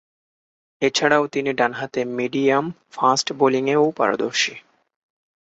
এছাড়াও তিনি ডানহাতে মিডিয়াম-ফাস্ট বোলিংয়েও পারদর্শী।